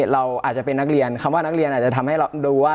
เราอาจจะเป็นนักเรียนคำว่านักเรียนอาจจะทำให้เราดูว่า